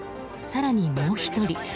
更にもう１人。